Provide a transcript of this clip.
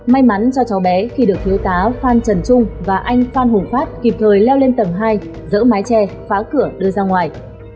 may mắn cho cháu bé khi được thiếu tá phan trần trung và anh phan hùng phát kịp thời leo lên tầng hai dỡ mái che phá cửa đưa ra ngoài